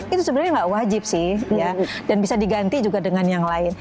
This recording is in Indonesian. itu sebenarnya nggak wajib sih dan bisa diganti juga dengan yang lain